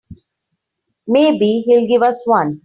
Maybe he'll give us one.